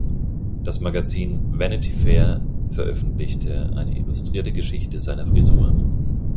Das Magazin "Vanity Fair" veröffentlichte eine „Illustrierte Geschichte“ seiner Frisur.